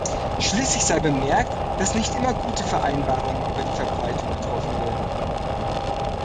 Schließlich sei bemerkt, dass nicht immer gute Vereinbarungen über die Verbreitung getroffen werden.